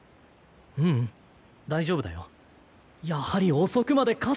ううん大丈夫だよ。